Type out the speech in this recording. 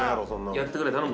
やってくれ頼む。